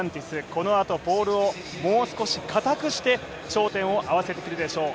このあとポールをもう少し硬くして、頂点を合わせてくるでしょう。